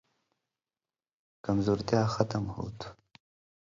کمزورتیا ختم ہوتُھو۔